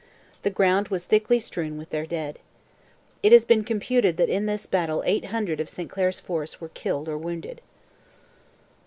The ground was thickly strewn with their dead. It has been computed that in this battle eight hundred of St Clair's force were killed or wounded.